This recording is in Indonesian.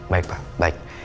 baik pak baik